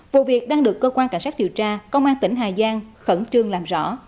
vụ việc đang được cơ quan cảnh sát điều tra công an tỉnh hà giang khẩn trương làm rõ